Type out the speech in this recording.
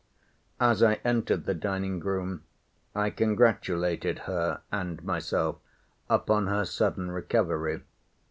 As I entered the dining room, I congratulated her and myself upon her sudden recovery.